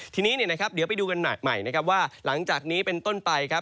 ทีนี้เนี่ยนะครับเดี๋ยวไปดูกันใหม่นะครับว่าหลังจากนี้เป็นต้นไปครับ